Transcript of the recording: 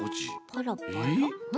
パラパラ？